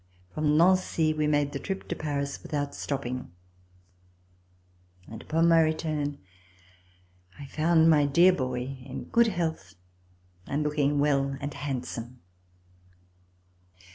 From Nancy we made the trip to Paris with out stopping, and upon my return I found my dear boy in good health and looking well and handsome.